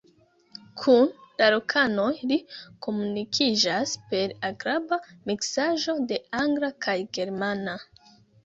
Kun la lokanoj li komunikiĝas per agrabla miksaĵo de angla kaj germana.